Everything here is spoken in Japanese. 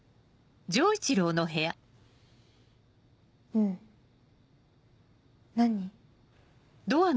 ・うん何？